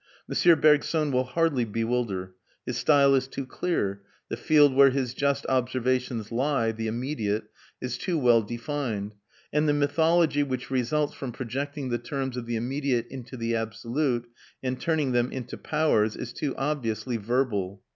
M. Bergson will hardly bewilder; his style is too clear, the field where his just observations lie the immediate is too well defined, and the mythology which results from projecting the terms of the immediate into the absolute, and turning them into powers, is too obviously verbal.